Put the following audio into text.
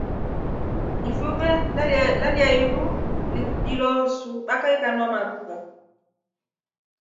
Ifuve lilya iru ilosuBaka ilinywa maruva.